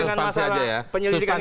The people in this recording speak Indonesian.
terkait dengan masalah penyelidikan ini